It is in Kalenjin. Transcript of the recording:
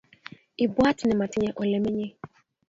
ibwat ne matinye ole menyei